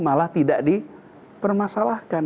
malah tidak dipermasalahkan